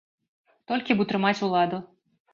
Толькі б утрымаць уладу.